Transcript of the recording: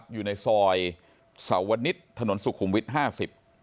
อยู่ในซอยสวนิษฐ์ถนนสุขุมวิทย์ห้าสิบ